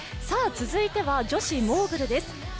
続いては、女子モーグルです。